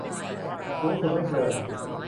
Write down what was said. สูงสุดไม่เกิน